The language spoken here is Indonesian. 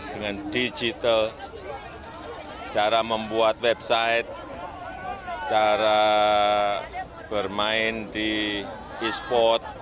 dengan digital cara membuat website cara bermain di e sport